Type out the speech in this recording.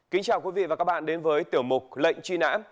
kính chào quý vị và các bạn đến với tiểu mục lệnh truy nã